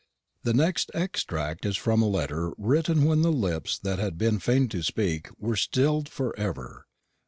The next extract is from a letter written when the lips that had been fain to speak were stilled for ever.